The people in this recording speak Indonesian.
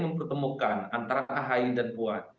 mempertemukan antara ahy dan puan